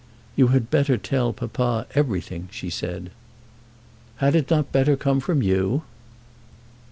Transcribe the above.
"You had better tell papa everything," she said. "Had it not better come from you?"